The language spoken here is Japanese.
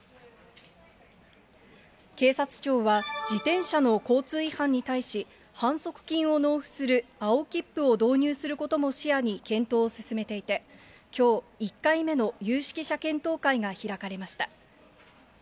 警察庁は、自転車の交通違反に対し、反則金を納付する青切符を導入することも視野に検討を進めていて、きょう、１回目の有識者検討会が開かれました。